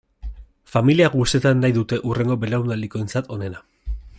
Familia guztietan nahi dute hurrengo belaunaldikoentzat onena.